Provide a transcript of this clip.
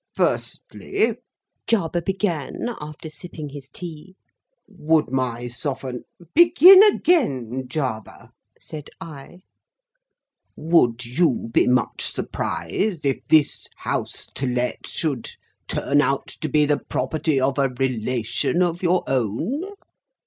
"Firstly," Jarber began, after sipping his tea, "would my Sophon—" "Begin again, Jarber," said I. "Would you be much surprised, if this House to Let should turn out to be the property of a relation of your own?"